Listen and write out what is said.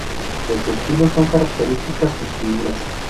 De su estilo son características sus figuras.